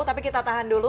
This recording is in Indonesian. tapi kita tahan dulu